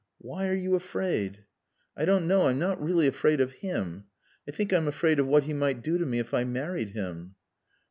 "Why are you afraid?" "I don't know. I'm not really afraid of him. I think I'm afraid of what he might do to me if I married him."